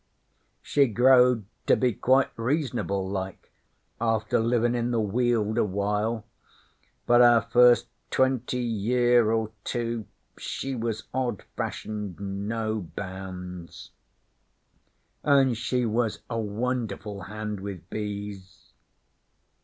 'She growed to be quite reasonable like after livin' in the Weald awhile, but our first twenty year or two she was odd fashioned, no bounds. And she was a won'erful hand with bees.'